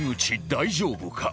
大丈夫か？